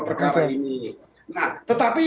perkara ini nah tetapi